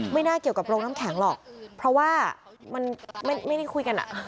ไม่น่าเกี่ยวกับโรงน้ำแข็งหรอกเพราะว่ามันไม่ได้คุยกันอ่ะ